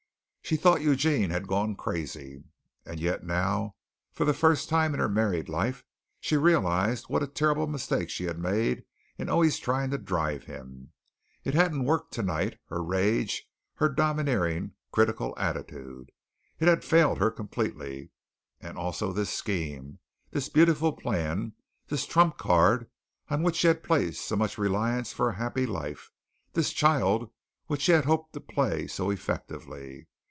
She thought Eugene had gone crazy, and yet now, for the first time in her married life, she realized what a terrible mistake she had made in always trying to drive him. It hadn't worked tonight, her rage, her domineering, critical attitude. It had failed her completely, and also this scheme, this beautiful plan, this trump card on which she had placed so much reliance for a happy life, this child which she had hoped to play so effectively.